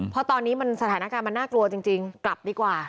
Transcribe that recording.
เพราะตอนนี้สถานการณ์มันน่ากลัวจริงกลับดีกว่า